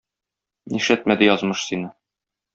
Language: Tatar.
Нишләтмәде язмыш сине.